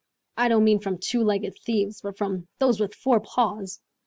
I don't mean from two legged thieves, but from those with four paws!"